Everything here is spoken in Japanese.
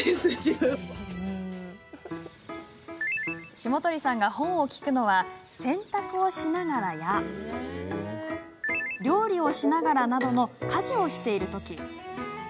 下鳥さんが本を聞くのは洗濯をしながらや料理をしながらなど家事をしているときです。